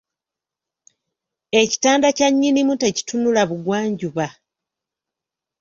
Ekitanda kya nnyinimu tekitunula bugwanjuba.